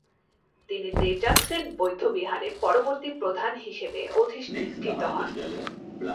তিনি র্দ্জোগ্স-ছেন বৌদ্ধবিহারের পরবর্তী প্রধান হিসেবে অধিষ্ঠিত হন।